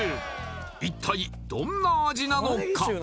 一体どんな味なのか？